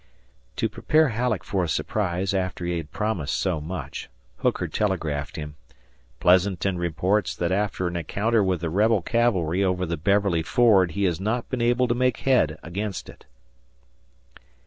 To prepare Halleck for a surprise after he had promised so much, Hooker telegraphed him, "Pleasanton reports that after an encounter with the rebel cavalry over the Beverly ford he has not been able to make head against it."